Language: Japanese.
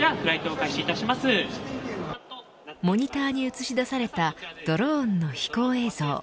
モニターに映し出されたドローンの飛行映像。